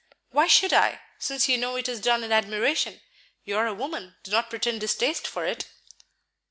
"Why should I, since you know it is done in admiration? You are a woman; do not pretend distaste for it."